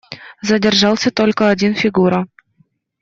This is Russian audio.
Задержался только один Фигура.